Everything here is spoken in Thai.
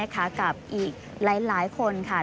กับอีกหลายคนค่ะ